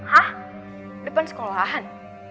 hah di depan sekolahan